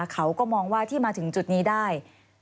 เขาก็มองว่าที่มาถึงจุดนี้ได้